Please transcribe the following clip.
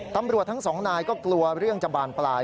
ตำรวจทั้งสองนายก็กลัวเรื่องจะบานปลาย